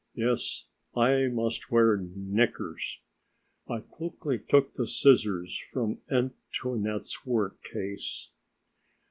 Yes, I must wear knickers. I quickly took the scissors from Etiennette's work case.